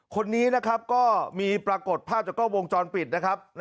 คนนี้มีประกดภาพจากเก้าวงจรปิดนะครับ